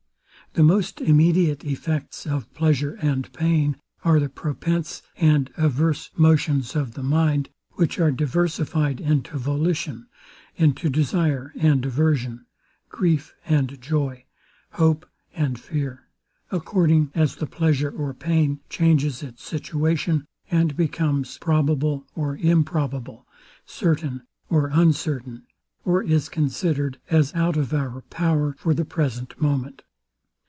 The most immediate effects of pleasure and pain are the propense and averse motions of the mind; which are diversified into volition, into desire and aversion, grief and joy, hope and fear, according as the pleasure or pain changes its situation, and becomes probable or improbable, certain or uncertain, or is considered as out of our power for the present moment.